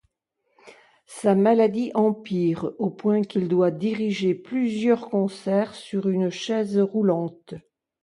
Sa maladie empire au point qu'il doit diriger plusieurs concerts sur une chaise roulante.